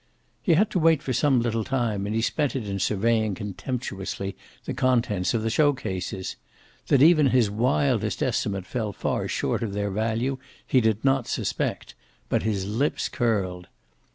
He had to wait for some little time, and he spent it in surveying contemptuously the contents of the show cases. That even his wildest estimate fell far short of their value he did not suspect, but his lips curled.